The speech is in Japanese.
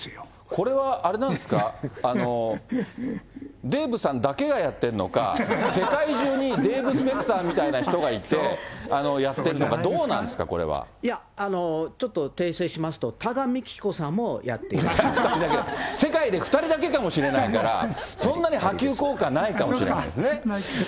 これはあれなんですか、デーブさんだけがやってるのか、世界中にデーブ・スペクターみたいな人がいて、やってるのか、いや、ちょっと訂正しますと、いやいや、世界で２人だけかもしれないから、そんなに波及効果ないかもしれないですね。